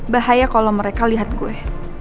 bahaya kalo mereka liat gue